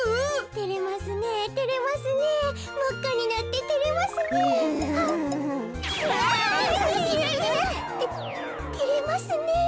ててれますねえ。